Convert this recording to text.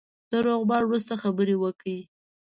د روغبړ وروسته خبرې وکړې.